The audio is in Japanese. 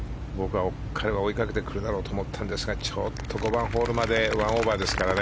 彼は追いかけてくるだろうと思ったんですが５番ホールまで１オーバーですからね。